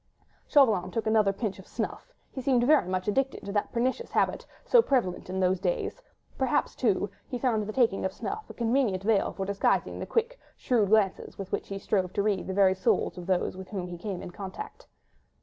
Chauvelin took another pinch of snuff: he seemed very much addicted to that pernicious habit, so prevalent in those days; perhaps, too, he found the taking of snuff a convenient veil for disguising the quick, shrewd glances with which he strove to read the very souls of those with whom he came in contact.